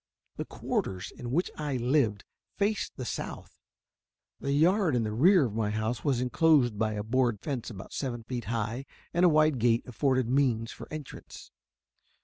The quarters in which I lived faced the south. The yard in the rear of my house was inclosed by a board fence about seven feet high, and a wide gate afforded means for entrance.